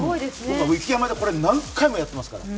雪山でこれ何度もやっていますから。